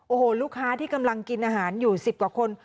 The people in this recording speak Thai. โอ้โหลูกค้าที่กำลังกินอาหารอยู่๑๐กว่าคน